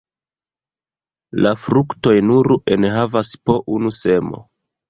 La fruktoj nur enhavas po unu semo.